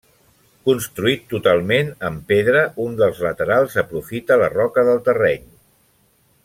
Construït totalment amb pedra un dels laterals aprofita la roca del terreny.